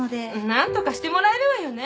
何とかしてもらえるわよね